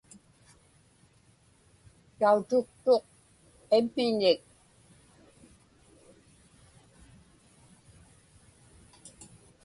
Tautuktuq qimmiñik.